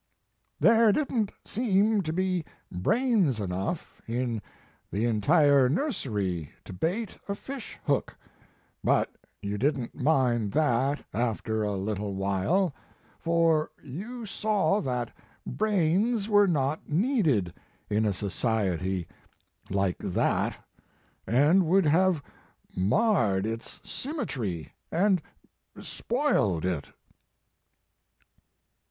There didn t seem to be brains enough in the entire nursery to bait a fish hook, but you didn t mind that after a little while, for you saw that brains were not Deeded in a society like that, and would have marred its symmetry and spoiled it."